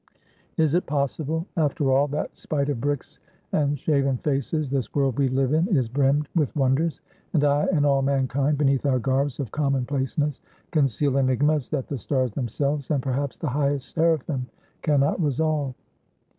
Is it possible, after all, that spite of bricks and shaven faces, this world we live in is brimmed with wonders, and I and all mankind, beneath our garbs of common placeness, conceal enigmas that the stars themselves, and perhaps the highest seraphim can not resolve?